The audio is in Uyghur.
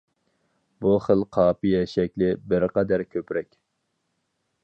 بۇ خىل قاپىيە شەكلى بىر قەدەر كۆپرەك.